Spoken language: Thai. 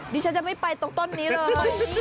ดิฉันจะไม่ไปตรงต้นนี้เลย